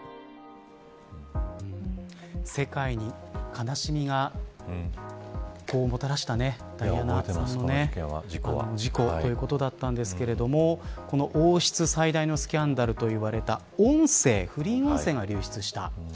世界に悲しみがもたらした、大変なダイアナさんの事故ということだったんですがこの、王室最大のスキャンダルといわれた不倫音声が流出した。